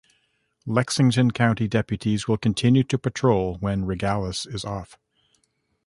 Lexington County deputies will continue to patrol when Regalis is off.